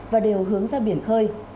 và đều hướng ra biển khơi